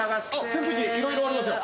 扇風機いろいろありますよ。